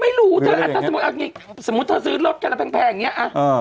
ไม่รู้ถ้าสมมุติตั้งเป็นสมมุติเธอซื้อรถแค่แพงอย่างเนี่ย